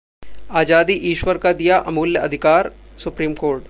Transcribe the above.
आजादी ईश्वर का दिया अमूल्य अधिकार: सुप्रीम कोर्ट